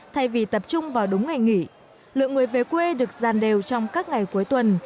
thay vì tập trung vào đúng ngày nghỉ lượng người về quê được giàn đều trong các ngày cuối tuần